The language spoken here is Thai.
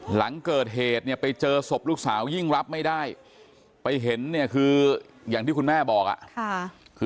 หลังเกิดเหตุไปเจอศพลูกสาวยิ่งรับไม่ได้ไปเห็นแบบที่คุณแม่บอก